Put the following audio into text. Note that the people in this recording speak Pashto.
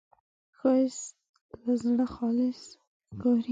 ښایست له زړه خالص ښکاري